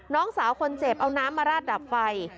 น้องสาวคนเจ็บเอาน้ำมาราดดับไฟ